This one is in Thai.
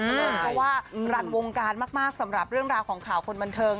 เพราะว่ารันวงการมากสำหรับเรื่องราวของข่าวคนบันเทิง